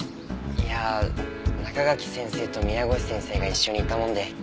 いや中垣先生と宮越先生が一緒にいたもんで。